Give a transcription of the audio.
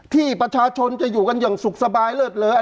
ที่ประชาชนจะอยู่กันอย่างสุขสบายเลิศเลย